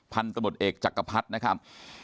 พันธุ์ตำรดเอกจักรพรรดินะครับ